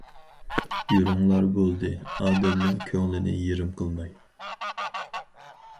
يۈرۈڭلار بولدى ئادەمنىڭ كۆڭلىنى يېرىم قىلماي.